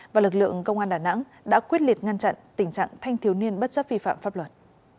và lực lượng công an đà nẵng đã quyết liệt ngăn chặn tình trạng thanh thiếu niên bất chấp vi phạm pháp luật